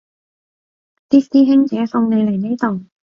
啲師兄姐送你嚟呢度